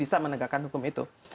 untuk menegakkan hukum itu